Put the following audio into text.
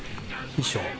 衣装。